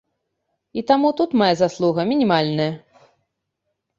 І таму тут мая заслуга мінімальная.